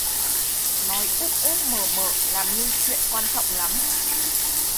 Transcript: Nói úp úp mở mở làm như chuyện quan trọng lắm!